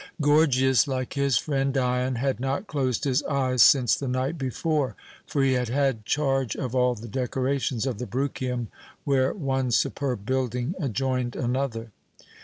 Gorgias, like his friend Dion, had not closed his eyes since the night before; for he had had charge of all the decorations of the Bruchium, where one superb building adjoined another.